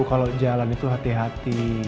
kalau jalan itu hati hati